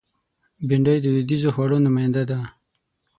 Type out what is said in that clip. بېنډۍ د دودیزو خوړو نماینده ده